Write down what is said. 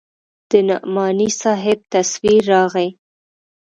د نعماني صاحب تصوير راغى.